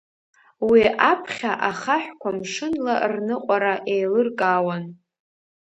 Уи аԥхьа ахаҳәқәа мшынла рныҟәара еилыркаауан.